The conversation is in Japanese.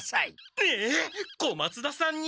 えっ小松田さんに！？